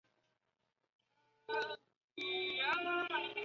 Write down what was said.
索泽勒人口变化图示